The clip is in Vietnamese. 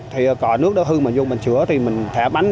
thì cỏ nước đó hư mà vô mình sửa thì mình thả bánh